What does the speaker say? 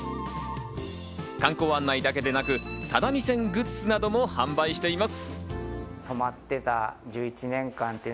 観光案内だけでなく只見線グッズなども販売しています。